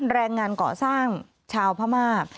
แรงงานเกาะสร้างชาวพม่า